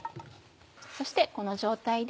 そしてこの状態で。